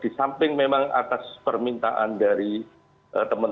di samping memang atas permintaan dari teman teman